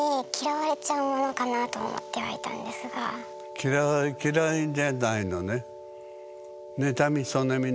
嫌い嫌いじゃないのね。